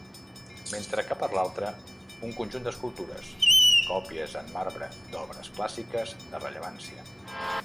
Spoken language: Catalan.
Mentre que per l’altra, un conjunt d’escultures, còpies en marbre d’obres clàssiques de rellevància.